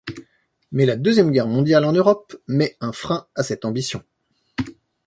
Mais la Deuxième Guerre mondiale en Europe met un frein à cette ambition.